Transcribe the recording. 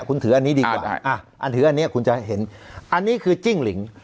คุณถืออันนี้คุณว่ายังไงดีกว่านี่คือจริง